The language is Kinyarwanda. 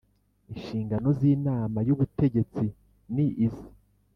Inshingano z Inama y Ubutegetsi ni izi